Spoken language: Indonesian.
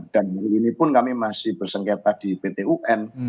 dan ini pun kami masih bersengketa di pt un